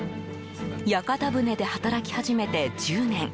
屋形船で働き始めて１０年。